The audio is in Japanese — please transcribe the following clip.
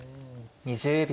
２０秒。